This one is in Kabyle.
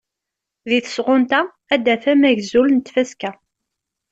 Deg tesɣunt-a ad d-tafem agzul n tfaska.